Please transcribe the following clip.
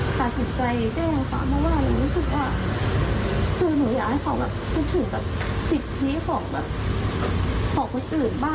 นี่หนูแบบตัดสินใจเองค่ะเพราะว่าหนูรู้สึกว่า